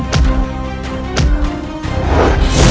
kami akan kembali